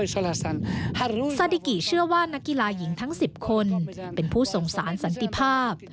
ซาดิกิเชื่อว่านักกีฬาหญิงทั้ง๑๐คนเป็นผู้ส่งสารสันติภาพ